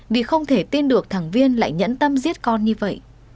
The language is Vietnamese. vì không thể tin được thành viên lại nhẫn tâm giết con như vậy